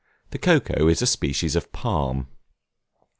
The cocoa is a species of Palm.